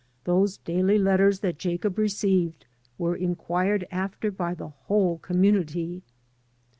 Those daily letters that Jacob received were inquired after by the whole com munity.